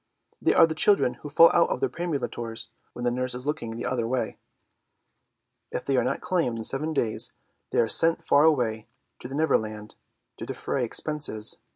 "They are the children who fall out of their perambulators when the nurse is looking the other way. If they are not claimed in seven days they are sent far away to the Neverland to defray expenses.